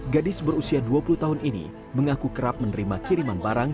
gadis berusia dua puluh tahun ini mengaku kerap menerima kiriman barang